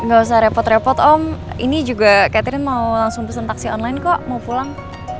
gak usah repot repot om ini juga catherine mau langsung pesan taksi online kok mau pulang